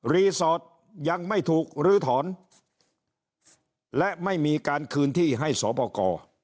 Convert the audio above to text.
รีสอร์ทยังไม่ถูกลื้อถอนและไม่มีการคืนที่ให้สอบประกอบ